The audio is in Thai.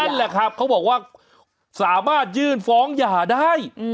นั่นแหละครับเขาบอกว่าสามารถยื่นฟ้องหย่าได้